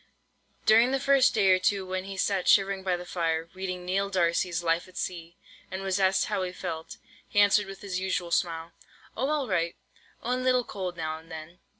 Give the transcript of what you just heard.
During the first day or two, when he sat shivering by the fire, reading "Neill D'Arcy's Life at Sea," and was asked how he felt, he answered with his usual smile; "Oh, all right; only a little cold now and then."